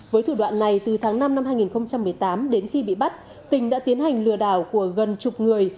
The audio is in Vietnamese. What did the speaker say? với thủ đoạn này từ tháng năm năm hai nghìn một mươi tám đến khi bị bắt tình đã tiến hành lừa đảo của gần chục người